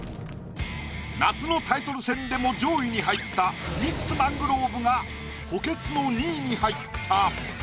夏のタイトル戦でも上位に入ったミッツ・マングローブが補欠の２位に入った。